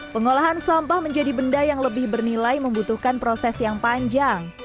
pengolahan sampah menjadi benda yang lebih bernilai membutuhkan proses yang panjang